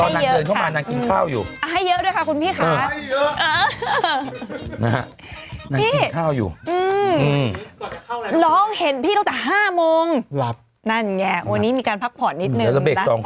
ในกล่องเห็นที่จะ๕โมงนั่นแหงวันนี้มีการพักผ่อนนิดนึง